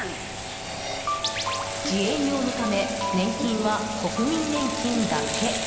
自営業のため年金は国民年金だけ。